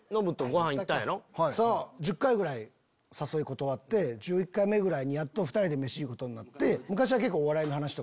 １０回ぐらい誘い断って１１回目ぐらいにやっと２人で飯行くことになって。